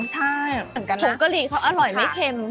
ใช่ผงกะหรี่เขาอร่อยไม่เค็ม